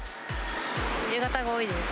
夕方が多いです。